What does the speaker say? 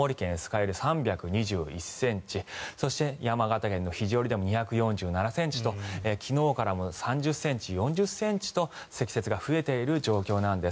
湯で３２１ｃｍそして山形県の肘折でも２４７ｃｍと昨日から３０ｃｍ、４０ｃｍと積雪が増えている状況なんです。